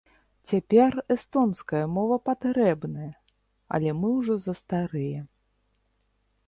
Цяпер эстонская мова патрэбная, але мы ўжо застарыя.